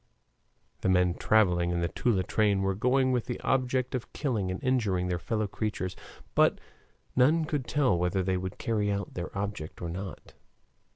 The men traveling in the Toula train were going with the object of killing and injuring their fellow creatures, but none could tell whether they would carry out their object or not.